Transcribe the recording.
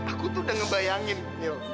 aku tuh udah ngebayangin